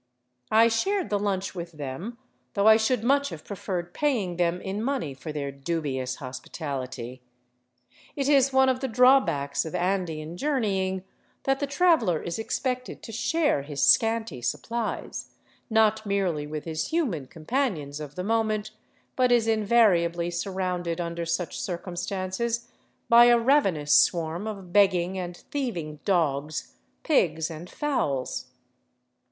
I shared the lunch with them, though I should much have preferred paying them in money for their dubious hospitality. It is one of the 366 OVERLAND TOWARD CUZCO drawbacks of Andean journeying that the traveler is expected to share his scanty suppUes, not merely with his human companions of the moment, but is invariably surrounded under such circumstances by a ravenous swarm of begging and thieving dogs, pigs, and fowls.